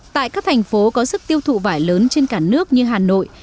tại các thành phố có sức tiêu thụ vải lớn trên cả nước như hà nội